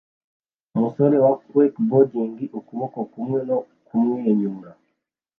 umusore wakeboarding ukuboko kumwe no kumwenyura